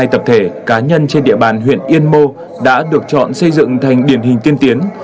hai trăm ba mươi hai tập thể cá nhân trên địa bàn huyện yên mô đã được chọn xây dựng thành điển hình tiên tiến